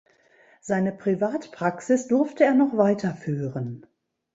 Seine Privatpraxis durfte er noch weiterführen.